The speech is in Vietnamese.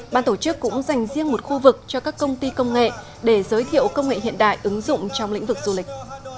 ban tổ chức cũng dành riêng một khu vực cho các công ty công nghệ để giới thiệu công nghệ hiện đại ứng dụng trong lĩnh vực du lịch